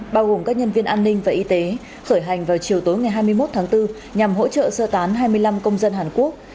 bao gồm các nhân viên an ninh và y tế khởi hành vào chiều tối ngày hai mươi một tháng bốn nhằm hỗ trợ sơ tán hai mươi năm công dân hàn quốc